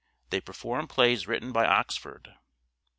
They perform plays written by Oxford.